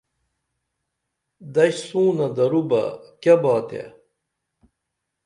دش سونہ درو بہ کیہ باتے